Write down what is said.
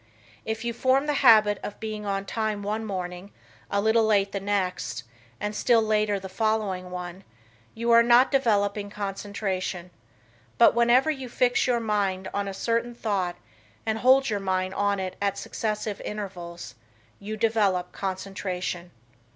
If you form the habit of being on time one morning, a little late the next, and still later the following one, you are not developing concentration, but whenever you fix your mind on a certain thought and hold your mind on it at successive intervals, you develop concentration.